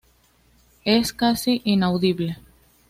Es casi inaudible.